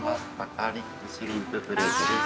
ガーリックシュリンププレートです。